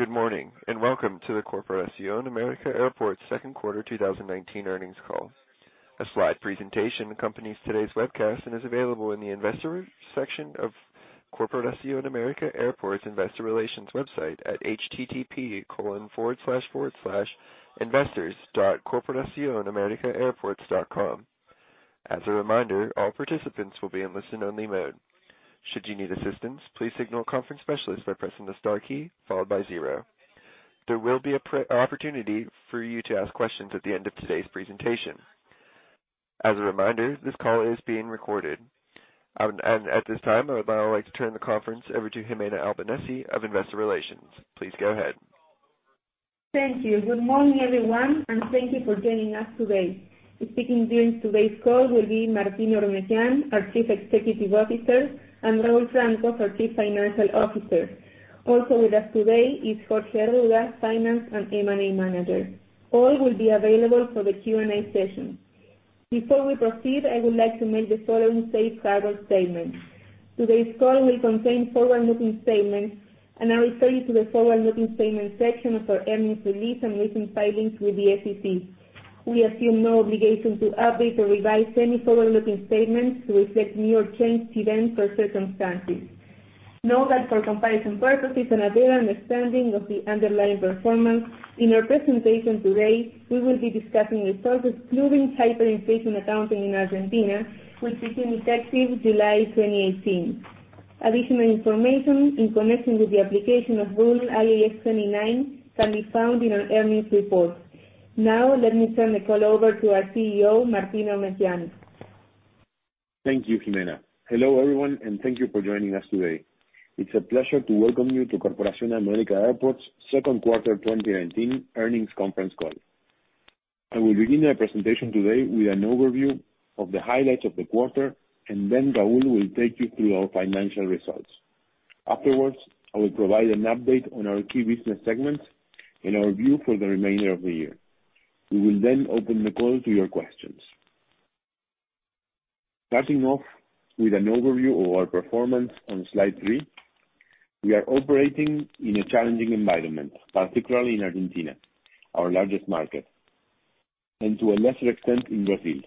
Good morning, and welcome to the Corporación América Airports second quarter 2019 earnings call. A slide presentation accompanies today's webcast and is available in the Investors section of Corporación América Airports Investor Relations website at http://investors.corporacionamericaairports.com. As a reminder, all participants will be in listen only mode. Should you need assistance, please signal a conference specialist by pressing the star key followed by zero. There will be an opportunity for you to ask questions at the end of today's presentation. As a reminder, this call is being recorded. At this time, I would now like to turn the conference over to Gimena Albanesi of Investor Relations. Please go ahead. Thank you. Good morning, everyone, and thank you for joining us today. Speaking during today's call will be Martín Eurnekian, our Chief Executive Officer, and Raúl Francos, our Chief Financial Officer. Also with us today is Jorge Arruda, Finance and M&A Manager. All will be available for the Q&A session. Before we proceed, I would like to make the following safe harbor statement. Today's call may contain forward-looking statements, and I refer you to the Forward-Looking Statements section of our earnings release and recent filings with the SEC. We assume no obligation to update or revise any forward-looking statements to reflect new or changed events or circumstances. Note that for comparison purposes and a better understanding of the underlying performance, in our presentation today, we will be discussing results excluding hyperinflation accounting in Argentina, which became effective July 2018. Additional information in connection with the application of Rule IAS 29 can be found in our earnings report. Now, let me turn the call over to our CEO, Martín Eurnekian. Thank you, Gimena. Hello, everyone, and thank you for joining us today. It's a pleasure to welcome you to Corporación América Airports second quarter 2019 earnings conference call. I will begin our presentation today with an overview of the highlights of the quarter, and then Raúl will take you through our financial results. Afterwards, I will provide an update on our key business segments and our view for the remainder of the year. We will then open the call to your questions. Starting off with an overview of our performance on slide three. We are operating in a challenging environment, particularly in Argentina, our largest market, and to a lesser extent, in Brazil.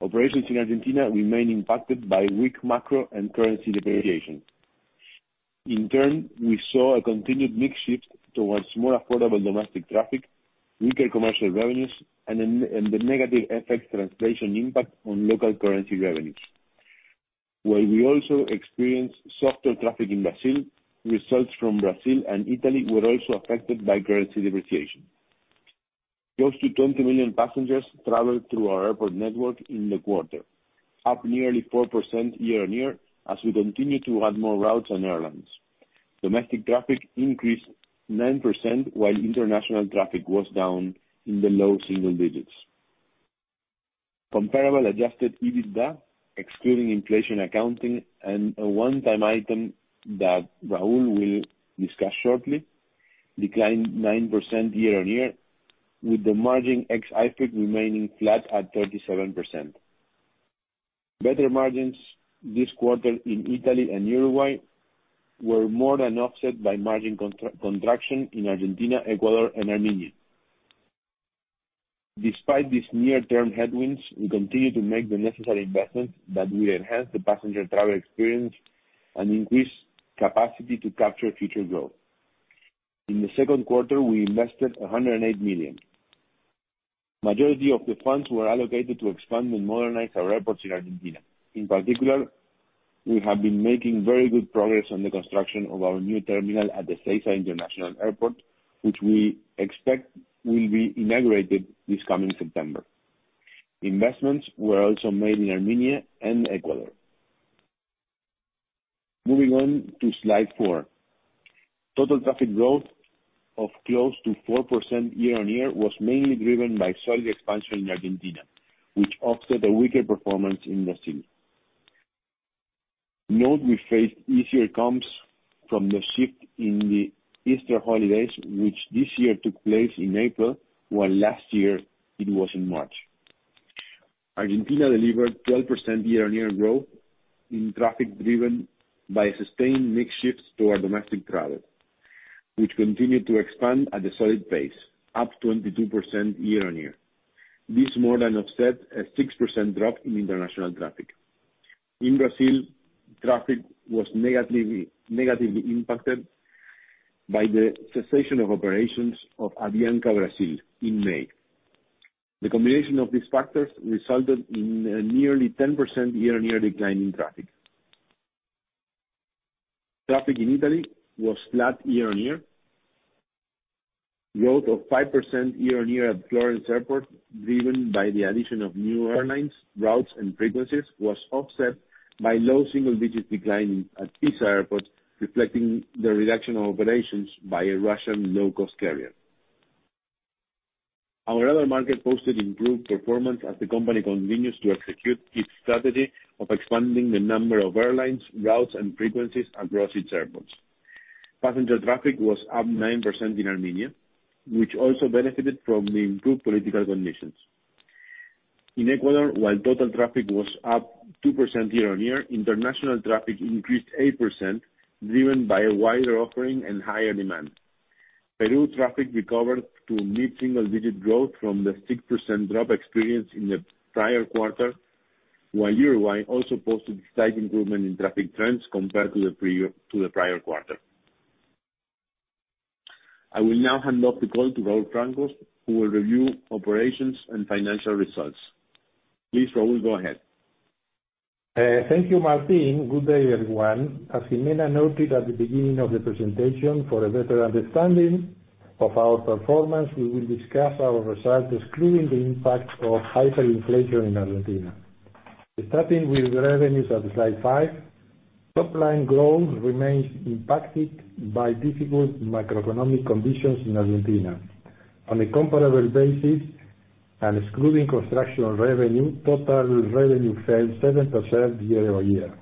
Operations in Argentina remain impacted by weak macro and currency depreciation. In turn, we saw a continued mix shift towards more affordable domestic traffic, weaker commercial revenues, and the negative FX translation impact on local currency revenues. While we also experienced softer traffic in Brazil, results from Brazil and Italy were also affected by currency depreciation. Close to 20 million passengers traveled through our airport network in the quarter, up nearly 4% year-on-year, as we continue to add more routes and airlines. Domestic traffic increased 9%, while international traffic was down in the low single digits. Comparable adjusted EBITDA, excluding inflation accounting and a one-time item that Raúl will discuss shortly, declined 9% year-on-year, with the margin ex-IFRIC remaining flat at 37%. Better margins this quarter in Italy and Uruguay were more than offset by margin contraction in Argentina, Ecuador, and Armenia. Despite these near-term headwinds, we continue to make the necessary investments that will enhance the passenger travel experience and increase capacity to capture future growth. In the second quarter, we invested $108 million. Majority of the funds were allocated to expand and modernize our airports in Argentina. In particular, we have been making very good progress on the construction of our new terminal at the Ezeiza International Airport, which we expect will be inaugurated this coming September. Investments were also made in Armenia and Ecuador. Moving on to slide four. Total traffic growth of close to 4% year-on-year was mainly driven by solid expansion in Argentina, which offset a weaker performance in Brazil. Note we faced easier comps from the shift in the Easter holidays, which this year took place in April, while last year it was in March. Argentina delivered 12% year-on-year growth in traffic driven by sustained mix shifts toward domestic travel, which continued to expand at a solid pace, up 22% year-on-year. This more than offset a 6% drop in international traffic. In Brazil, traffic was negatively impacted by the cessation of operations of Avianca Brasil in May. The combination of these factors resulted in a nearly 10% year-on-year decline in traffic. Traffic in Italy was flat year-on-year. Growth of 5% year-on-year at Florence Airport, driven by the addition of new airlines, routes and frequencies, was offset by low single-digit decline at Pisa Airport, reflecting the reduction of operations by a Russian low cost carrier. Our other markets posted improved performance as the company continues to execute its strategy of expanding the number of airlines, routes and frequencies across its airports. Passenger traffic was up 9% in Armenia, which also benefited from the improved political conditions. In Ecuador, while total traffic was up 2% year-on-year, international traffic increased 8%, driven by a wider offering and higher demand. Peru traffic recovered to mid-single digit growth from the 6% drop experienced in the prior quarter, while Uruguay also posted slight improvement in traffic trends compared to the prior quarter. I will now hand off the call to Raúl Francos, who will review operations and financial results. Please, Raúl, go ahead. Thank you, Martín. Good day, everyone. As Gimena noted at the beginning of the presentation, for a better understanding of our performance, we will discuss our results excluding the impact of hyperinflation in Argentina. Starting with revenues on slide five, top-line growth remains impacted by difficult macroeconomic conditions in Argentina. On a comparable basis and excluding construction revenue, total revenue fell 7% year-over-year.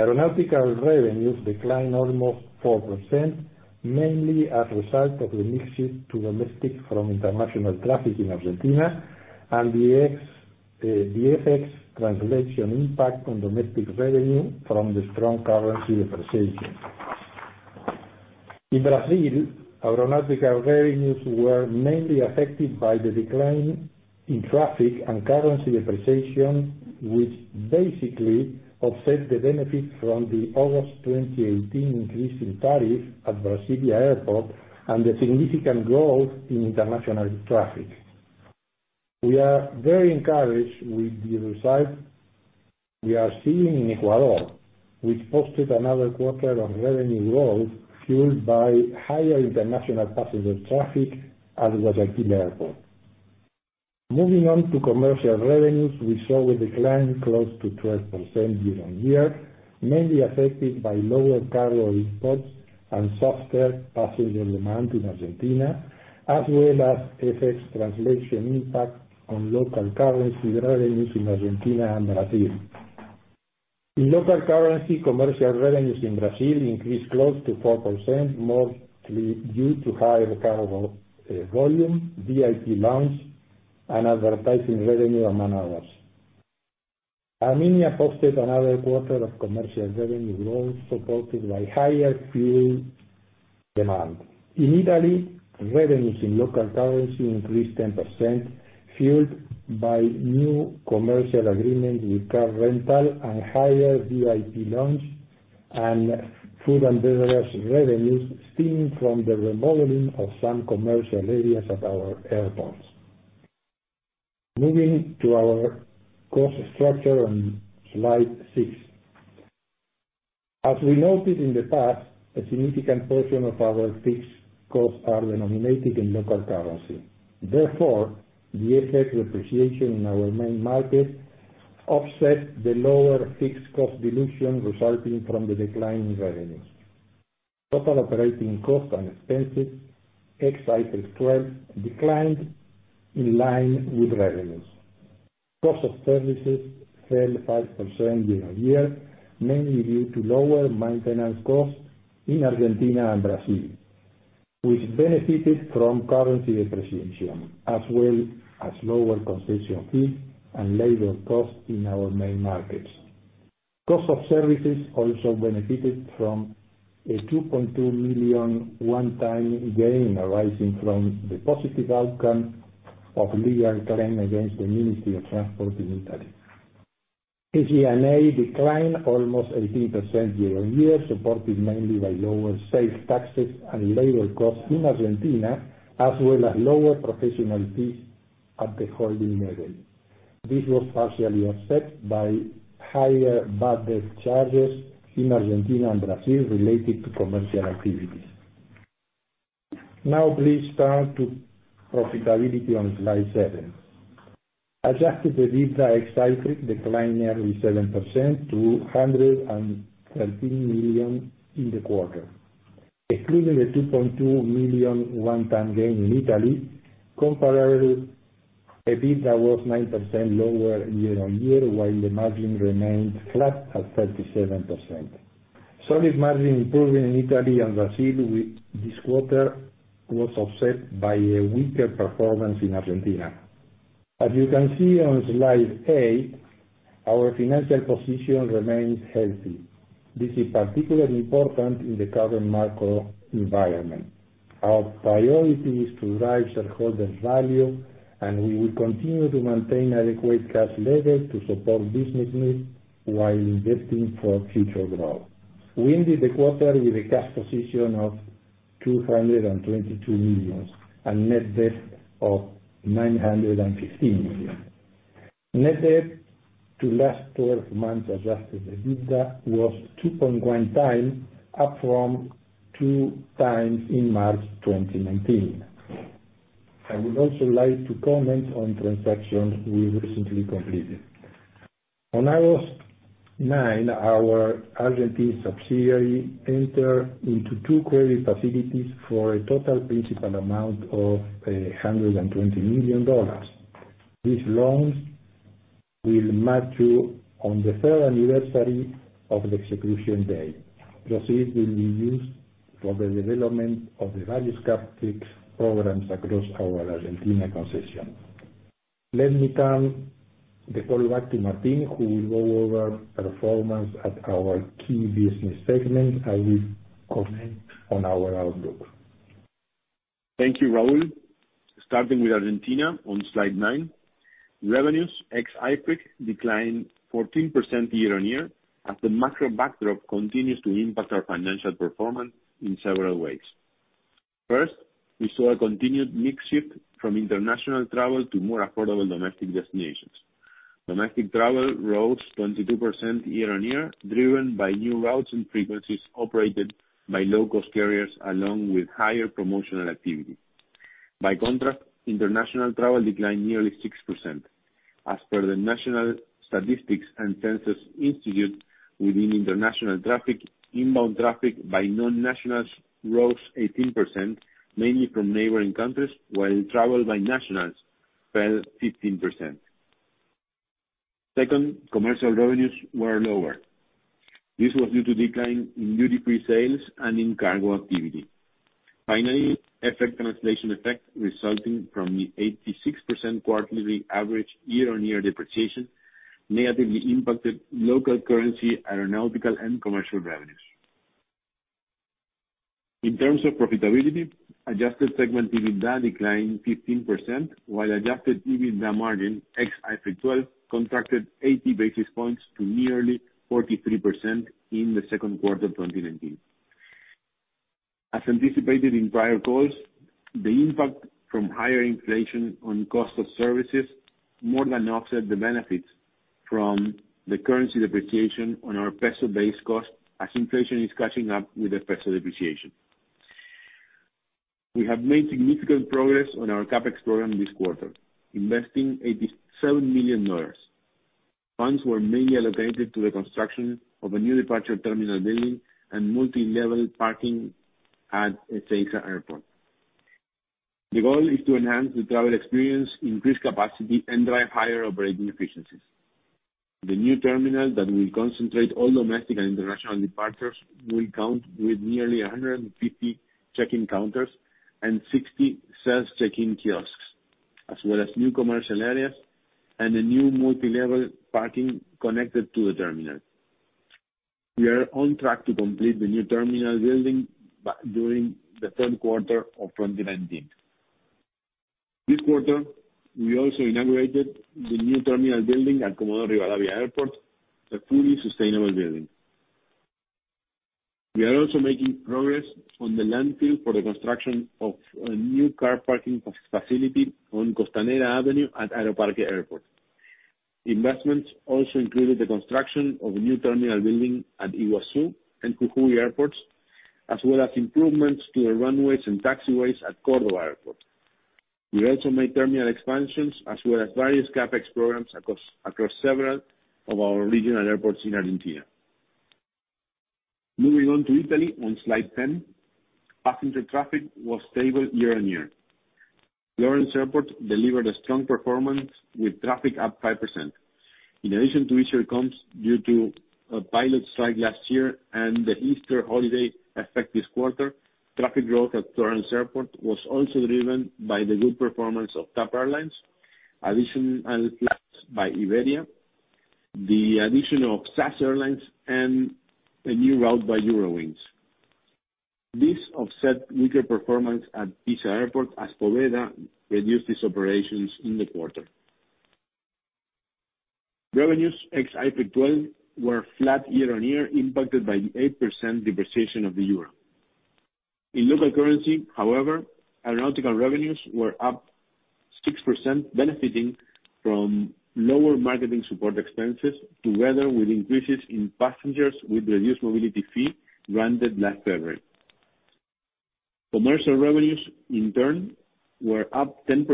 Aeronautical revenues declined almost 4%, mainly as a result of the mix shift to domestic from international traffic in Argentina and the FX translation impact on domestic revenue from the strong currency depreciation. In Brazil, aeronautical revenues were mainly affected by the decline in traffic and currency depreciation, which basically offset the benefit from the August 2018 increase in tariff at Brasília Airport and the significant growth in international traffic. We are very encouraged with the results we are seeing in Ecuador, which posted another quarter of revenue growth fueled by higher international passenger traffic at Guayaquil Airport. Moving on to commercial revenues, we saw a decline close to 12% year-on-year, mainly affected by lower cargo exports and softer passenger demand in Argentina, as well as FX translation impact on local currency revenues in Argentina and Brazil. In local currency, commercial revenues in Brazil increased close to 4%, mostly due to higher cargo volume, VIP lounge, and advertising revenue, among others. Armenia posted another quarter of commercial revenue growth, supported by higher fuel demand. In Italy, revenues in local currency increased 10%, fueled by new commercial agreements with car rental and higher VIP lounge, and food and beverage revenues stemming from the remodeling of some commercial areas at our airports. Moving to our cost structure on slide six. As we noted in the past, a significant portion of our fixed costs are denominated in local currency. Therefore, the effect depreciation in our main market offset the lower fixed cost dilution resulting from the decline in revenues. Total operating costs and expenses, ex-IFRIC 12, declined in line with revenues. Cost of services fell 5% year-on-year, mainly due to lower maintenance costs in Argentina and Brazil, which benefited from currency depreciation, as well as lower concession fees and labor costs in our main markets. Cost of services also benefited from a 2.2 million one-time gain arising from the positive outcome of legal claim against the Ministry of Infrastructure and Transport in Italy. SG&A declined almost 18% year-on-year, supported mainly by lower sales taxes and labor costs in Argentina, as well as lower professional fees at the holding level. This was partially offset by higher bad debt charges in Argentina and Brazil related to commercial activities. Now, please turn to profitability on slide seven. Adjusted EBITDA ex-IFRIC declined nearly 7% to $113 million in the quarter. Excluding the $2.2 million one-time gain in Italy, comparable EBITDA was 9% lower year-on-year, while the margin remained flat at 37%. Solid margin improvement in Italy and Brazil this quarter was offset by a weaker performance in Argentina. As you can see on slide eight, our financial position remains healthy. This is particularly important in the current macro environment. Our priority is to drive shareholder value, and we will continue to maintain adequate cash levels to support business needs while investing for future growth. We ended the quarter with a cash position of $222 million and net debt of $915 million. Net debt to last 12 months adjusted EBITDA was 2.1 times, up from two times in March 2019. I would also like to comment on transactions we recently completed. On Aeropuertos Argentina 2000, our Argentine subsidiary entered into two credit facilities for a total principal amount of $120 million. These loans will mature on the third anniversary of the execution date. Proceed will be used for the development of the various CapEx programs across our Argentina concession. Let me turn the call back to Martín, who will go over performance at our key business segment. I will comment on our outlook. Thank you, Raúl. Starting with Argentina on slide nine, revenues ex IFRIC declined 14% year-on-year, as the macro backdrop continues to impact our financial performance in several ways. First, we saw a continued mix shift from international travel to more affordable domestic destinations. Domestic travel rose 22% year-on-year, driven by new routes and frequencies operated by low-cost carriers, along with higher promotional activity. By contrast, international travel declined nearly 6%. As per the National Institute of Statistics and Censuses, within international traffic, inbound traffic by non-nationals rose 18%, mainly from neighboring countries, while travel by nationals fell 15%. Second, commercial revenues were lower. This was due to decline in duty-free sales and in cargo activity. Finally, FX translation effect resulting from the 86% quarterly average year-on-year depreciation negatively impacted local currency, aeronautical, and commercial revenues. In terms of profitability, adjusted segment EBITDA declined 15%, while adjusted EBITDA margin ex IFRIC 12 contracted 80 basis points to nearly 43% in the second quarter 2019. As anticipated in prior calls, the impact from higher inflation on cost of services more than offset the benefits from the currency depreciation on our peso-based cost, as inflation is catching up with the peso depreciation. We have made significant progress on our CapEx program this quarter, investing $87 million. Funds were mainly allocated to the construction of a new departure terminal building and multi-level parking at Ezeiza Airport. The goal is to enhance the travel experience, increase capacity, and drive higher operating efficiencies. The new terminal that will concentrate all domestic and international departures will count with nearly 150 check-in counters and 60 self check-in kiosks, as well as new commercial areas and a new multi-level parking connected to the terminal. We are on track to complete the new terminal building during the third quarter of 2019. This quarter, we also inaugurated the new terminal building at Comodoro Rivadavia Airport, a fully sustainable building. We are also making progress on the landfill for the construction of a new car parking facility on Costanera Avenue at Aeroparque Airport. Investments also included the construction of a new terminal building at Iguazu and Jujuy airports, as well as improvements to the runways and taxiways at Córdoba Airport. We also made terminal expansions as well as various CapEx programs across several of our regional airports in Argentina. Moving on to Italy on slide 10, passenger traffic was stable year-over-year. Florence Airport delivered a strong performance with traffic up 5%. In addition to easier comps due to a pilot strike last year and the Easter holiday effect this quarter, traffic growth at Florence Airport was also driven by the good performance of TAP Airlines, additional flights by Iberia, the addition of SAS Airlines, and a new route by Eurowings. This offset weaker performance at Pisa Airport as Vueling reduced its operations in the quarter. Revenues ex IFRIC 12 were flat year-on-year, impacted by the 8% depreciation of the EUR. In local currency, however, aeronautical revenues were up 6%, benefiting from lower marketing support expenses together with increases in passengers with reduced mobility fee granted last February. Commercial revenues, in turn, were up 10%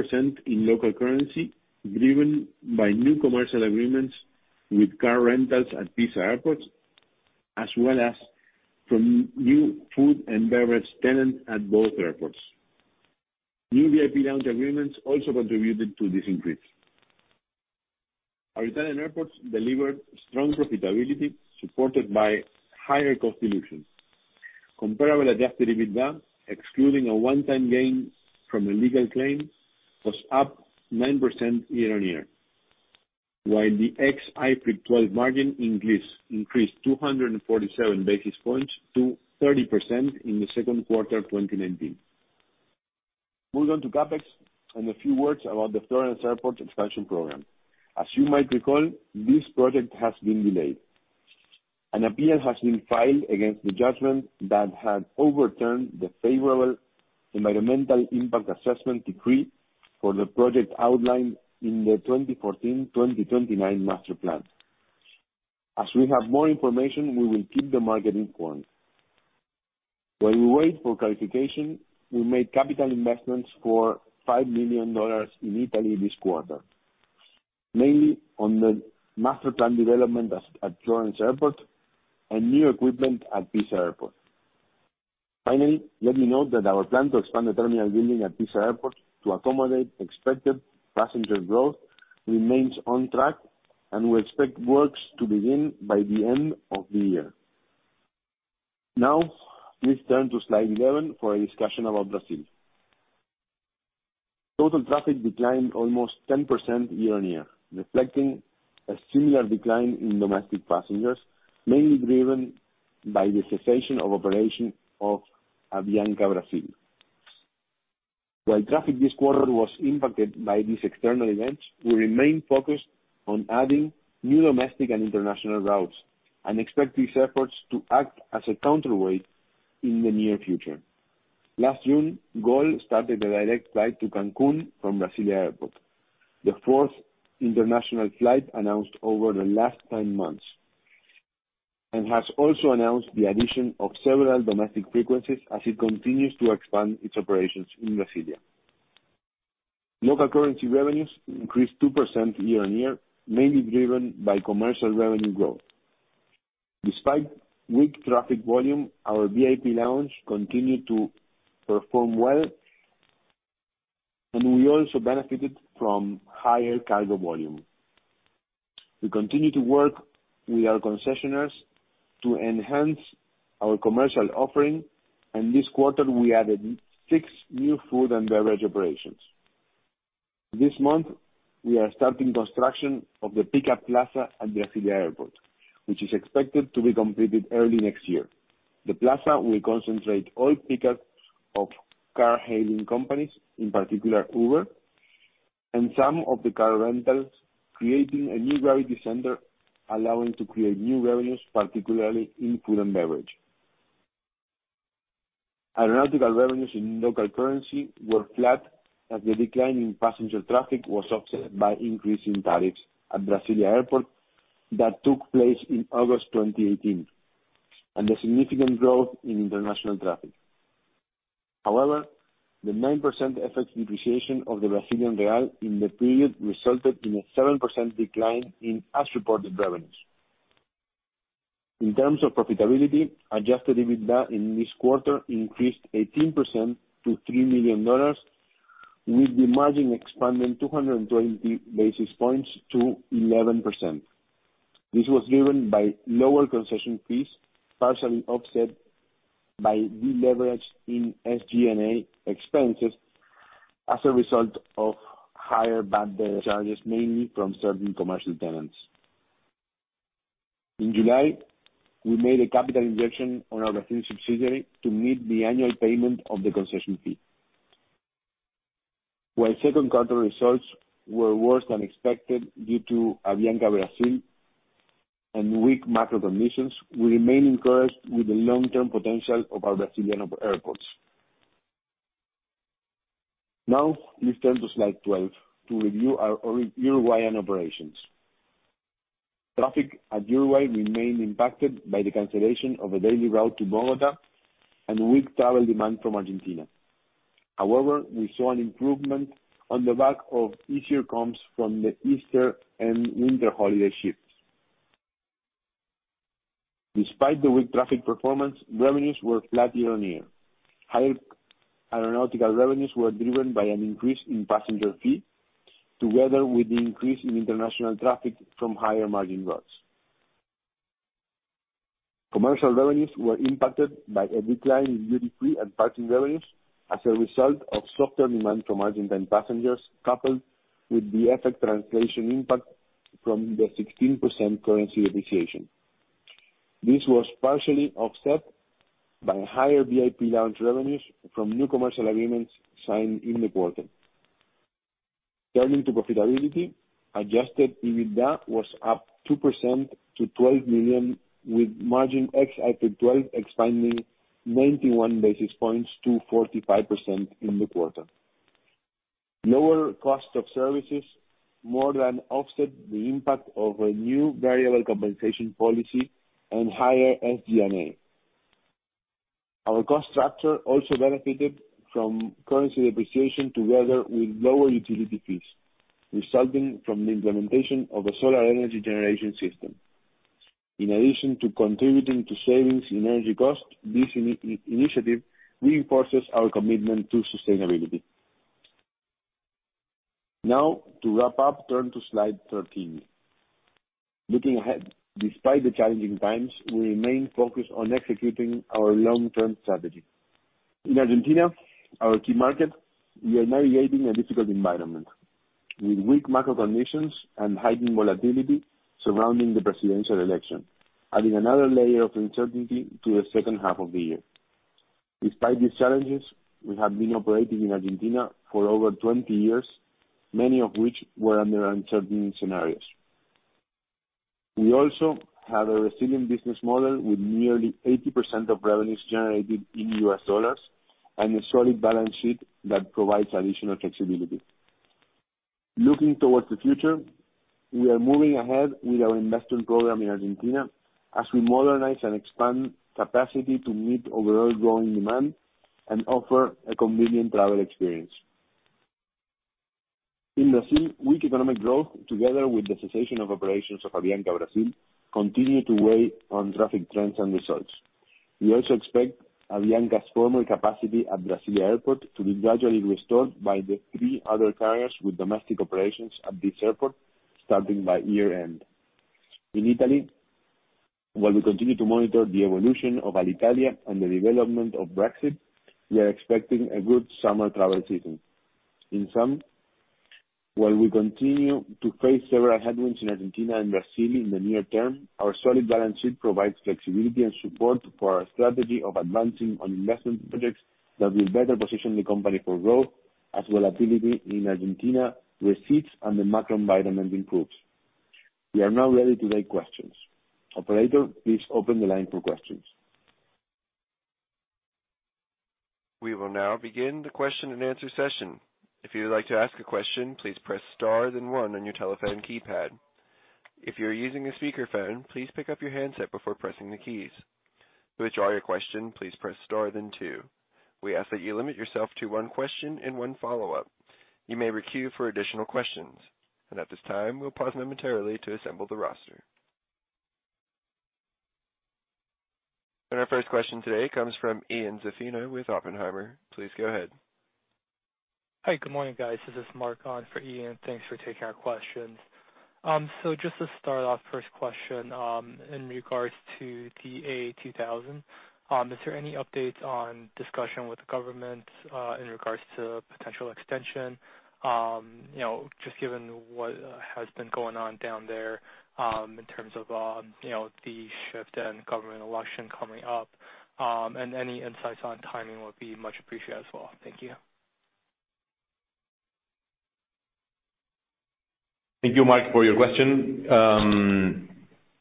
in local currency, driven by new commercial agreements with car rentals at Pisa Airport, as well as from new food and beverage tenants at both airports. New VIP lounge agreements also contributed to this increase. Our Italian airports delivered strong profitability supported by higher cost dilution. Comparable adjusted EBITDA, excluding a one-time gain from a legal claim, was up 9% year-on-year, while the ex IFRIC 12 margin increased 247 basis points to 30% in the second quarter 2019. Moving on to CapEx and a few words about the Florence Airport expansion program. As you might recall, this project has been delayed. An appeal has been filed against the judgment that had overturned the favorable environmental impact assessment decree for the project outlined in the 2014-2029 master plan. As we have more information, we will keep the market informed. While we wait for clarification, we made capital investments for $5 million in Italy this quarter, mainly on the master plan development at Florence Airport and new equipment at Pisa Airport. Finally, let me note that our plan to expand the terminal building at Pisa Airport to accommodate expected passenger growth remains on track, and we expect works to begin by the end of the year. Now, please turn to slide 11 for a discussion about Brazil. Total traffic declined almost 10% year-on-year, reflecting a similar decline in domestic passengers, mainly driven by the cessation of operation of Avianca Brasil. While traffic this quarter was impacted by these external events, we remain focused on adding new domestic and international routes, and expect these efforts to act as a counterweight in the near future. Last June, Gol started a direct flight to Cancun from Brasilia Airport, the fourth international flight announced over the last 10 months, and has also announced the addition of several domestic frequencies as it continues to expand its operations in Brasilia. Local currency revenues increased 2% year-on-year, mainly driven by commercial revenue growth. Despite weak traffic volume, our VIP lounge continued to perform well, and we also benefited from higher cargo volume. We continue to work with our concessioners to enhance our commercial offering, and this quarter we added six new food and beverage operations. This month, we are starting construction of the pickup plaza at Brasilia Airport, which is expected to be completed early next year. The plaza will concentrate all pickups of car-hailing companies, in particular Uber, and some of the car rentals, creating a new gravity center, allowing to create new revenues, particularly in food and beverage. Aeronautical revenues in local currency were flat, as the decline in passenger traffic was offset by increasing tariffs at Brasilia Airport that took place in August 2018, and the significant growth in international traffic. The 9% FX depreciation of the Brazilian real in the period resulted in a 7% decline in as-reported revenues. In terms of profitability, adjusted EBITDA in this quarter increased 18% to $3 million, with the margin expanding 220 basis points to 11%. This was driven by lower concession fees, partially offset by deleverage in SG&A expenses as a result of higher bad debt charges, mainly from certain commercial tenants. In July, we made a capital injection on our Brazilian subsidiary to meet the annual payment of the concession fee. While second quarter results were worse than expected due to Avianca Brasil and weak macro conditions, we remain encouraged with the long-term potential of our Brazilian airports. Now, please turn to slide 12 to review our Uruguayan operations. Traffic at Uruguay remained impacted by the cancellation of a daily route to Bogota and weak travel demand from Argentina. However, we saw an improvement on the back of easier comps from the Easter and winter holiday shifts. Despite the weak traffic performance, revenues were flat year-on-year. Higher aeronautical revenues were driven by an increase in passenger fee, together with the increase in international traffic from higher margin routes. Commercial revenues were impacted by a decline in duty-free and parking revenues as a result of softer demand from Argentine passengers, coupled with the FX translation impact from the 16% currency depreciation. This was partially offset by higher VIP lounge revenues from new commercial agreements signed in the quarter. Turning to profitability, adjusted EBITDA was up 2% to $12 million, with margin ex IFRIC 12 expanding 91 basis points to 45% in the quarter. Lower cost of services more than offset the impact of a new variable compensation policy and higher SG&A. Our cost structure also benefited from currency depreciation together with lower utility fees, resulting from the implementation of a solar energy generation system. In addition to contributing to savings in energy cost, this initiative reinforces our commitment to sustainability. Now, to wrap up, turn to slide 13. Looking ahead, despite the challenging times, we remain focused on executing our long-term strategy. In Argentina, our key market, we are navigating a difficult environment, with weak macro conditions and heightened volatility surrounding the presidential election, adding another layer of uncertainty to the second half of the year. Despite these challenges, we have been operating in Argentina for over 20 years, many of which were under uncertain scenarios. We also have a resilient business model with nearly 80% of revenues generated in US dollars and a solid balance sheet that provides additional flexibility. Looking towards the future, we are moving ahead with our investment program in Argentina as we modernize and expand capacity to meet overall growing demand and offer a convenient travel experience. In Brazil, weak economic growth, together with the cessation of operations of Avianca Brasil, continue to weigh on traffic trends and results. We also expect Avianca's former capacity at Brasília Airport to be gradually restored by the three other carriers with domestic operations at this airport, starting by year-end. In Italy, while we continue to monitor the evolution of Alitalia and the development of Brexit, we are expecting a good summer travel season. In sum, while we continue to face several headwinds in Argentina and Brazil in the near term, our solid balance sheet provides flexibility and support for our strategy of advancing on investment projects that will better position the company for growth as volatility in Argentina recedes and the macro environment improves. We are now ready to take questions. Operator, please open the line for questions. We will now begin the question-and-answer session. If you would like to ask a question, please press star then one on your telephone keypad. If you are using a speakerphone, please pick up your handset before pressing the keys. To withdraw your question, please press star then two. We ask that you limit yourself to one question and one follow-up. You may re-queue for additional questions, and at this time, we'll pause momentarily to assemble the roster. Our first question today comes from Ian Zaffino with Oppenheimer. Please go ahead. Hi. Good morning, guys. This is Mark on for Ian. Thanks for taking our questions. Just to start off, first question, in regards to the AA2000, is there any updates on discussion with the Government, in regards to potential extension? Just given what has been going on down there, in terms of the shift and government election coming up, any insights on timing would be much appreciated as well. Thank you. Thank you, Mark, for your question.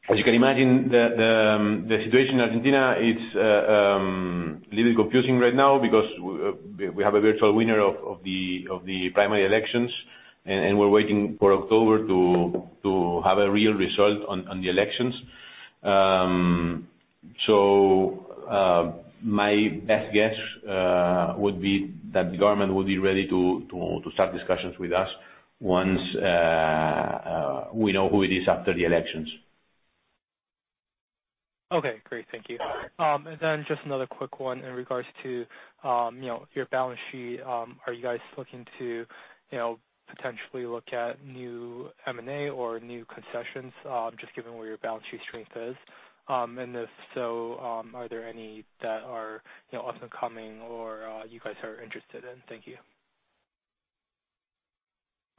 As you can imagine, the situation in Argentina is a little confusing right now because we have a virtual winner of the primary elections, and we're waiting for October to have a real result on the elections. My best guess would be that the government will be ready to start discussions with us once we know who it is after the elections. Okay, great. Thank you. Just another quick one in regards to your balance sheet. Are you guys looking to potentially look at new M&A or new concessions, just given where your balance sheet strength is? If so, are there any that are upcoming or you guys are interested in? Thank you.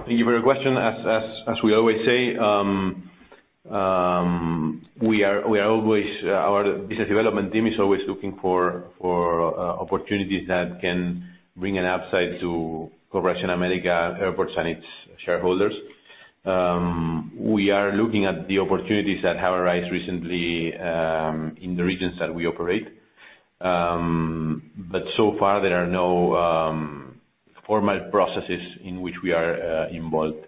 Thank you for your question. As we always say, our business development team is always looking for opportunities that can bring an upside to Corporación América Airports and its shareholders. We are looking at the opportunities that have arisen recently, in the regions that we operate. So far, there are no formal processes in which we are involved.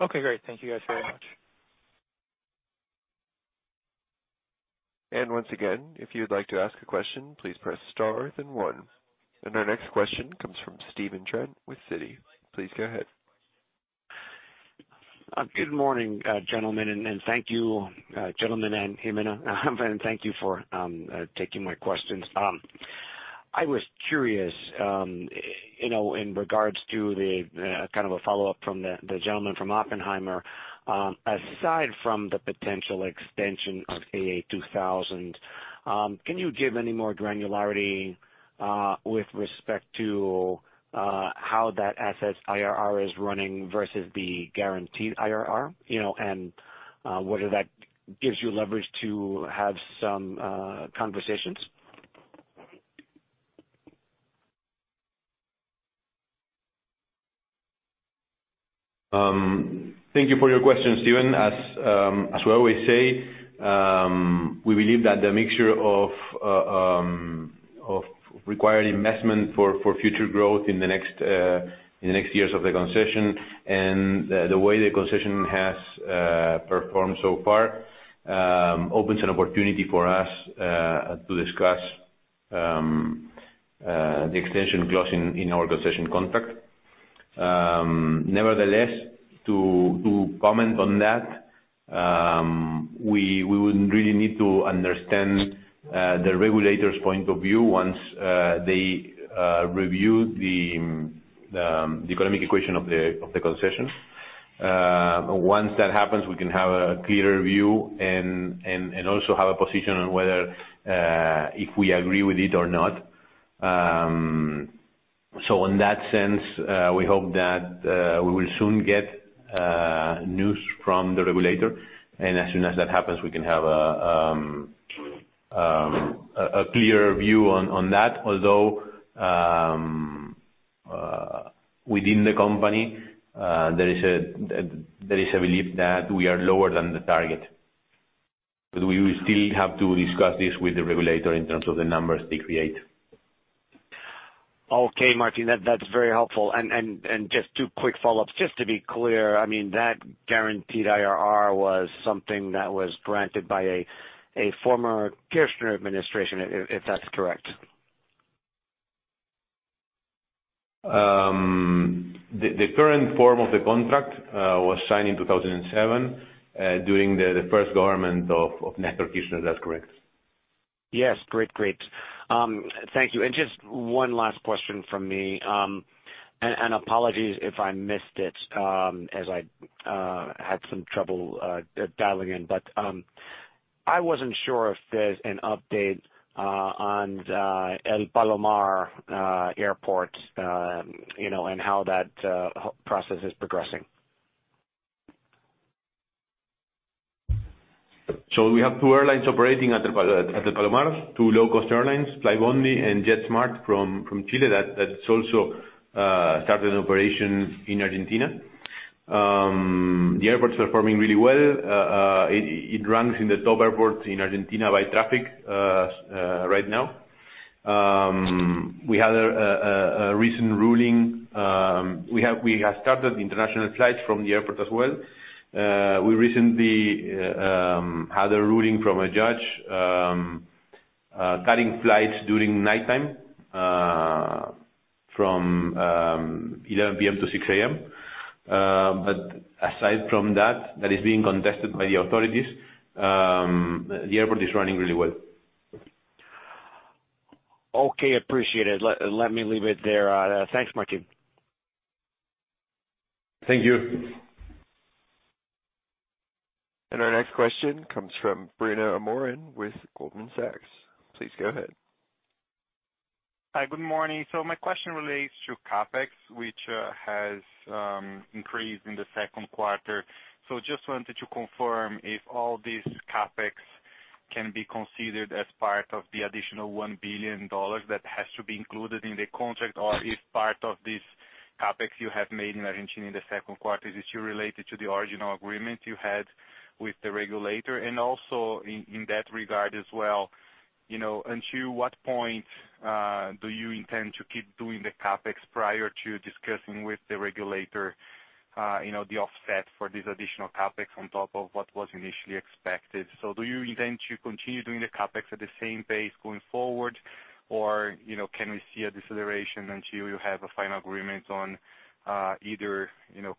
Okay, great. Thank you guys very much. Once again, if you would like to ask a question, please press star then 1. Our next question comes from Stephen Trent with Citi. Please go ahead. Good morning, gentlemen, and thank you, gentlemen and Gimena. Thank you for taking my questions. I was curious, in regards to the follow-up from the gentleman from Oppenheimer. Aside from the potential extension of AA2000, can you give any more granularity, with respect to how that asset's IRR is running versus the guaranteed IRR? Whether that gives you leverage to have some conversations? Thank you for your question, Stephen. As we always say, we believe that the mixture of required investment for future growth in the next years of the concession and the way the concession has performed so far, opens an opportunity for us to discuss the extension clause in our concession contract. Nevertheless, to comment on that, we would really need to understand the regulator's point of view once they review the economic equation of the concession. Once that happens, we can have a clearer view and also have a position on whether if we agree with it or not. In that sense, we hope that we will soon get news from the regulator, and as soon as that happens, we can have a clearer view on that. Although, within the company, there is a belief that we are lower than the target. We will still have to discuss this with the regulator in terms of the numbers they create. Okay, Martín, that's very helpful. Just two quick follow-ups, just to be clear, that guaranteed IRR was something that was granted by a former Kirchner administration, if that's correct? The current form of the contract was signed in 2007 during the first government of Nestor Kirchner. Is that correct? Yes. Great. Thank you. Just one last question from me, and apologies if I missed it as I had some trouble dialing in, but I wasn't sure if there's an update on El Palomar Airport and how that process is progressing. We have two airlines operating at El Palomar, two low-cost airlines, Flybondi and JetSMART from Chile that also started an operation in Argentina. The airport's performing really well. It ranks in the top airports in Argentina by traffic right now. We have started international flights from the airport as well. We recently had a ruling from a judge cutting flights during nighttime from 11:00 P.M. to 6:00 A.M. Aside from that is being contested by the authorities. The airport is running really well. Okay, appreciated. Let me leave it there. Thanks, Martín. Thank you. Our next question comes from Bruno Amorim with Goldman Sachs. Please go ahead. Hi, good morning. My question relates to CapEx, which has increased in the second quarter. Just wanted to confirm if all this CapEx can be considered as part of the additional $1 billion that has to be included in the contract, or if part of this CapEx you have made in Argentina in the second quarter is related to the original agreement you had with the regulator. Also in that regard as well, until what point do you intend to keep doing the CapEx prior to discussing with the regulator the offset for this additional CapEx on top of what was initially expected? Do you intend to continue doing the CapEx at the same pace going forward, or can we see a deceleration until you have a final agreement on either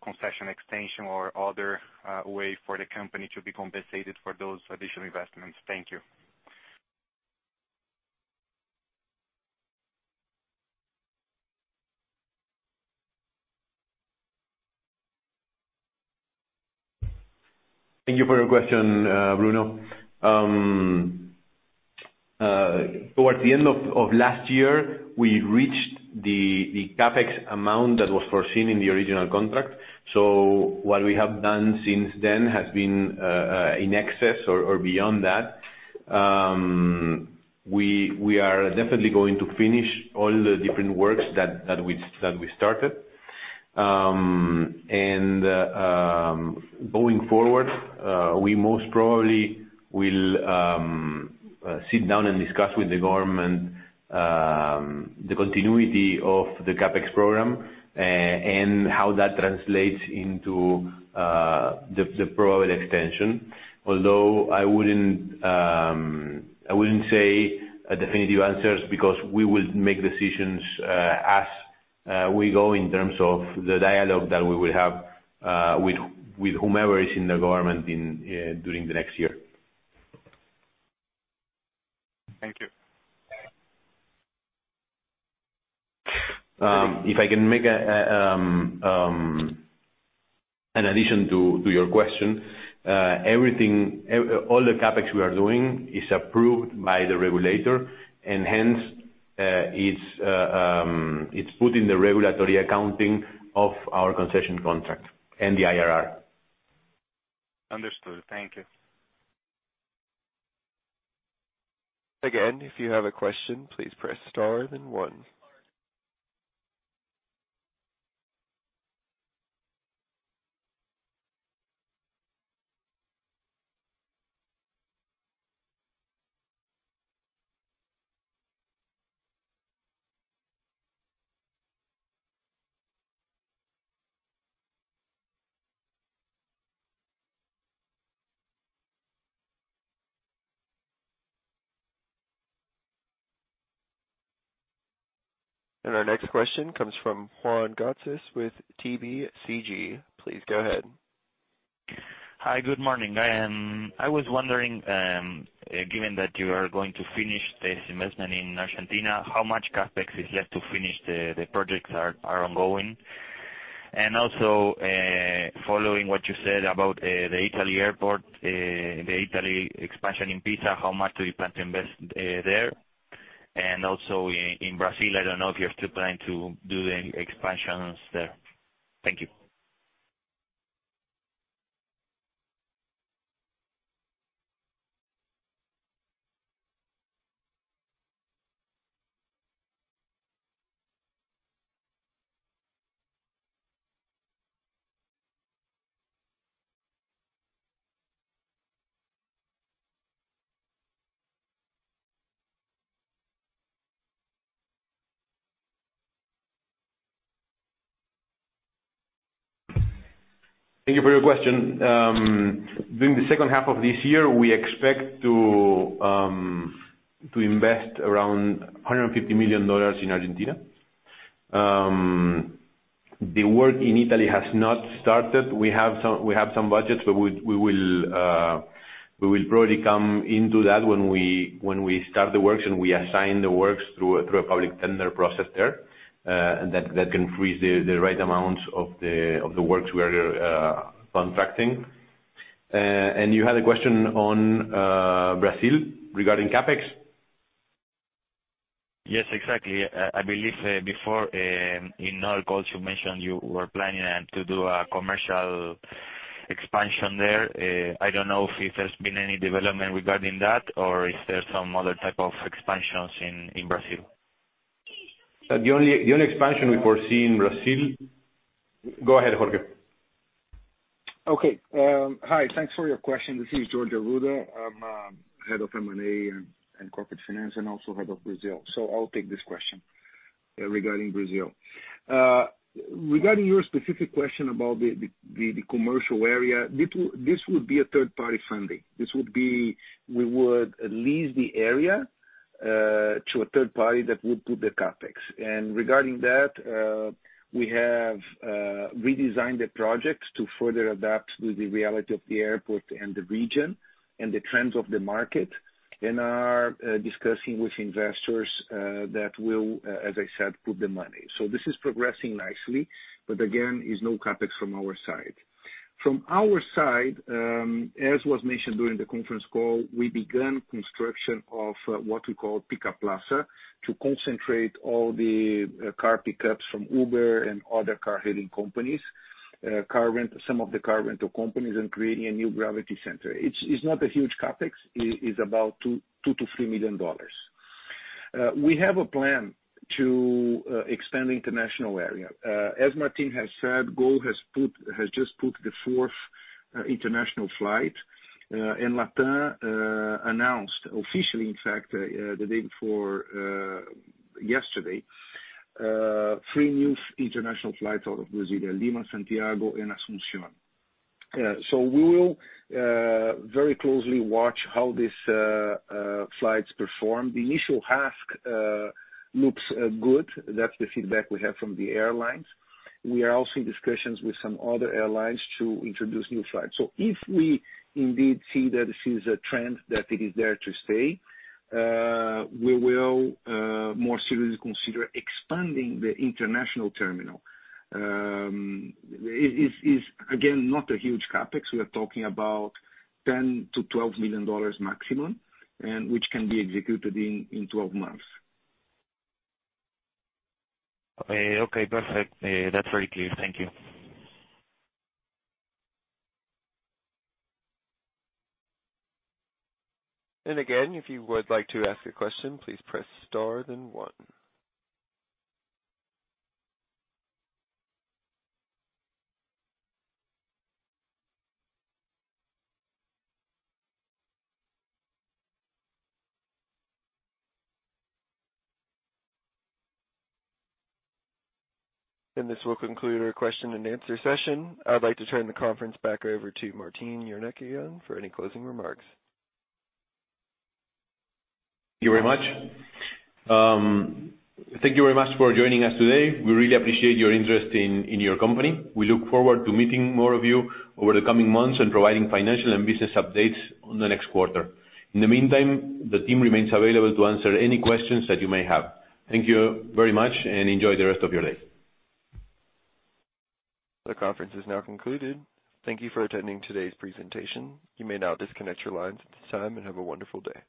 concession extension or other way for the company to be compensated for those additional investments? Thank you. Thank you for your question, Bruno. Towards the end of last year, we reached the CapEx amount that was foreseen in the original contract. What we have done since then has been in excess or beyond that. We are definitely going to finish all the different works that we started. Going forward, we most probably will sit down and discuss with the government the continuity of the CapEx program and how that translates into the probable extension. Although I wouldn't say definitive answers, because we will make decisions as we go in terms of the dialogue that we will have with whomever is in the government during the next year. Thank you. If I can make an addition to your question. All the CapEx we are doing is approved by the regulator, and hence, it's put in the regulatory accounting of our concession contract and the IRR. Understood. Thank you. Again, if you have a question, please press star then one. Our next question comes from Juan Gazis with BTG Pactual. Please go ahead. Hi, good morning. I was wondering, given that you are going to finish this investment in Argentina, how much CapEx is left to finish the projects that are ongoing? Also, following what you said about the Italy airport, the Italy expansion in Pisa, how much do you plan to invest there? Also in Brazil, I don't know if you're still planning to do the expansions there. Thank you. Thank you for your question. During the second half of this year, we expect to invest around $150 million in Argentina. The work in Italy has not started. We have some budget, but we will probably come into that when we start the works and we assign the works through a public tender process there, and that can freeze the right amounts of the works we are contracting. You had a question on Brazil regarding CapEx? Yes, exactly. I believe before, in our calls, you mentioned you were planning to do a commercial expansion there. I don't know if there's been any development regarding that, or is there some other type of expansions in Brazil? The only expansion we foresee in Brazil. Go ahead, Jorge. Okay. Hi, thanks for your question. This is Jorge Arruda. I'm head of M&A and corporate finance, and also head of Brazil. I'll take this question regarding Brazil. Regarding your specific question about the commercial area, this would be a third-party funding. We would lease the area to a third party that would put the CapEx. Regarding that, we have redesigned the project to further adapt to the reality of the airport and the region and the trends of the market, and are discussing with investors that will, as I said, put the money. This is progressing nicely, again, it's no CapEx from our side. From our side, as was mentioned during the conference call, we began construction of what we call Pickup Plaza to concentrate all the car pickups from Uber and other car-hailing companies, some of the car rental companies, and creating a new gravity center. It's not a huge CapEx. It's about $2 million-$3 million. We have a plan to expand the international area. As Martín has said, Gol has just put the fourth international flight, and LATAM announced officially, in fact, the day before yesterday, three new international flights out of Brazil, Lima, Santiago, and Asunción. We will very closely watch how these flights perform. The initial ask looks good. That's the feedback we have from the airlines. We are also in discussions with some other airlines to introduce new flights. If we indeed see that this is a trend that it is there to stay, we will more seriously consider expanding the international terminal. It's, again, not a huge CapEx. We are talking about $10 million-$12 million maximum, and which can be executed in 12 months. Okay, perfect. That's very clear. Thank you. If you would like to ask a question, please press star then one. This will conclude our question and answer session. I'd like to turn the conference back over to Martín Eurnekian again for any closing remarks. Thank you very much. Thank you very much for joining us today. We really appreciate your interest in your company. We look forward to meeting more of you over the coming months and providing financial and business updates on the next quarter. In the meantime, the team remains available to answer any questions that you may have. Thank you very much, and enjoy the rest of your day. The conference is now concluded. Thank you for attending today's presentation. You may now disconnect your lines at this time, and have a wonderful day.